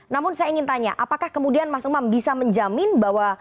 namun saya ingin tanya apakah kemudian mas umam bisa menjamin bahwa